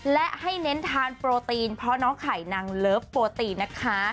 และให้เน้นทานโปรตีนเพราะน้องไข่นางเลิฟโปรตีนนะคะ